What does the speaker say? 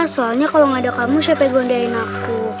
soalnya kalau gak ada kamu siapa yang gondain aku